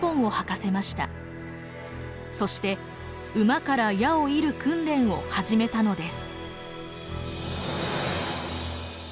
そして馬から矢を射る訓練を始めたのです。